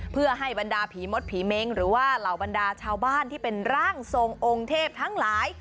เพื่อให้บรรดาผีมดผีเม้งหรือว่าเหล่าบรรดาชาวบ้านที่เป็นร่างทรงองค์เทพทั้งหลาย